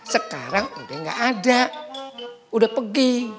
sekarang udah gak ada udah pergi